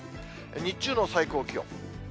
日中の最高気温。